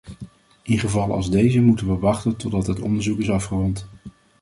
In gevallen als deze moeten we wachten totdat het onderzoek is afgerond.